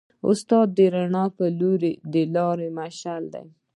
استاد د رڼا په لور د لارې مشعل دی.